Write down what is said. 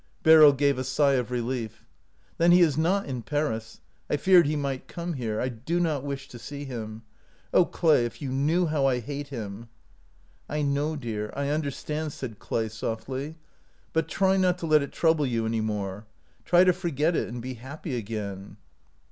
Beryl gave a sigh of relief. " Then he is not in Paris. I feared he might come here. I do not wish to see him. Oh, Clay, if you knew how I hate him!" " I know dear, I understand," said Clay, softly ;" but try not to let it trouble you any more ; try to forget it and be happy again."